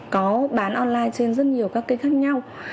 có bán online trên rất nhiều các kênh khác nhau